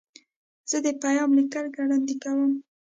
زه د پیام لیکل ګړندي کوم.